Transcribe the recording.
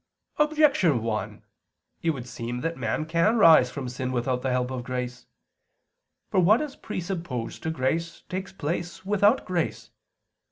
Objection 1: It would seem that man can rise from sin without the help of grace. For what is presupposed to grace, takes place without grace.